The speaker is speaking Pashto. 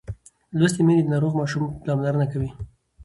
لوستې میندې د ناروغ ماشوم پاملرنه کوي.